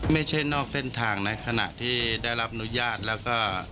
นอกเส้นทางนะขณะที่ได้รับอนุญาตแล้วก็